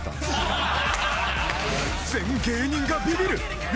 全芸人がビビる！